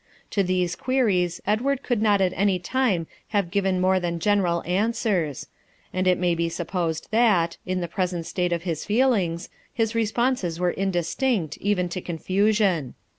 To these queries Edward could not at any time have given more than general answers, and it may be supposed that, in the present state of his feelings, his responses were indistinct even to confusion.